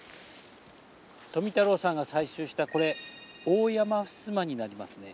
富太郎さんが採集したこれオオヤマフスマになりますね。